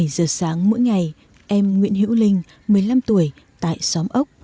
bảy giờ sáng mỗi ngày em nguyễn hữu linh một mươi năm tuổi tại xóm ốc